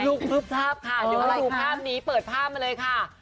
ลูกรูปภาพค่ะเดี๋ยวก็ดูภาพนี้เปิดภาพมาเลยค่ะ